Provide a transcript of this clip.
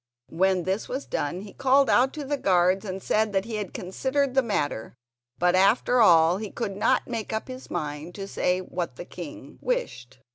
When this was done he called out to the guards and said that he had considered the matter but after all he could not make up his mind to say what the king wished.